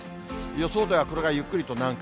予想ではこれがゆっくりと南下。